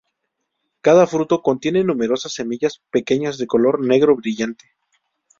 Cada fruto contiene numerosas semillas pequeñas de color negro brillante.